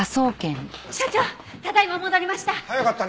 所長ただ今戻りました。